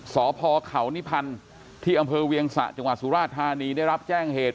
สพเขานิพันธ์ที่อำเภอเวียงสะจังหวัดสุราธานีได้รับแจ้งเหตุ